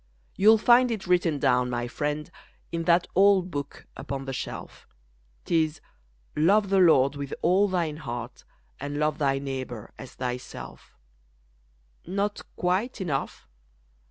You'll find it written down, my friend, In that old Book upon the shelf, 'Tis: Love the Lord with all thine heart And love thy neighbor as thyself. Not quite enough?